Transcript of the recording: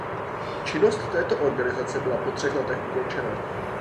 Činnost této organizace byla po třech letech ukončena.